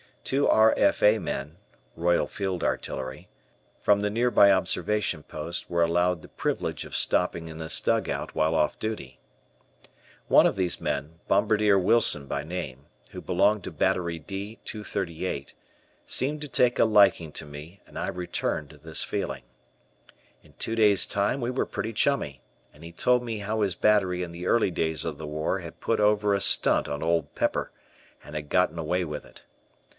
Two R.F.A. men (Royal Field Artillery) from the nearby observation post were allowed the privilege of stopping in this dugout while off duty. One of these men, Bombardier Wilson by name, who belonged to Battery D 238, seemed to take a liking to me, and I returned this feeling. In two days' time we were pretty chummy, and he told me how his battery in the early days of the war had put over a stunt on Old Pepper, and had gotten away with it.